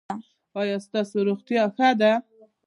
ایا ستاسو روغتیا ښه ده؟